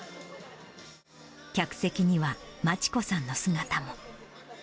客席には真知子さんの姿も。